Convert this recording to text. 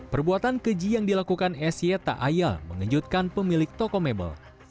perbuatan keji yang dilakukan sy tak ayal mengejutkan pemilik toko mebel